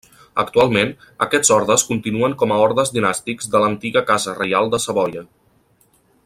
Actualment, aquests ordes continuen com a ordes dinàstics de l'antiga Casa Reial de Savoia.